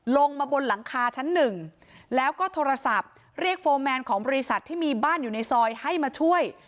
ลงมาบนหลังคาชั้นหนึ่งแล้วก็โทรศัพท์เรียกโฟร์แมนของบริษัทที่มีบ้านอยู่ในซอยให้มาช่วย